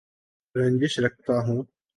رنجش رکھتا ہوں